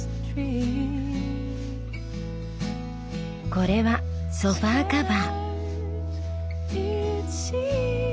これはソファーカバー。